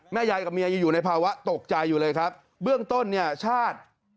ยายกับเมียยังอยู่ในภาวะตกใจอยู่เลยครับเบื้องต้นเนี่ยชาติ